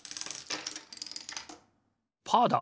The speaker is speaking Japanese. パーだ！